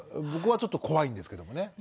僕はちょっと怖いんですけどもね。